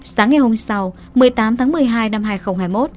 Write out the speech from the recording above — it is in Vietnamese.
sáng ngày hôm sau một mươi tám tháng một mươi hai năm hai nghìn hai mươi một